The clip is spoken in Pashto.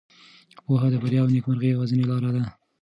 پوهه د بریا او نېکمرغۍ یوازینۍ لاره ده.